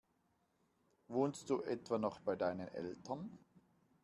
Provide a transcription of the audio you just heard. Wohnst du etwa noch bei deinen Eltern?